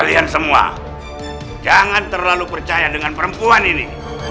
kalian semua jangan terlalu percaya dengan perempuan ini